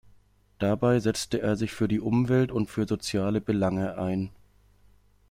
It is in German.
Dabei setzte er sich für die Umwelt und für soziale Belange ein.